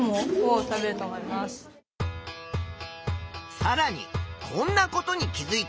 さらにこんなことに気づいた子も。